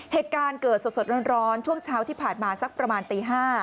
เหตุการณ์เกิดสดร้อนช่วงเช้าที่ผ่านมาสักประมาณตี๕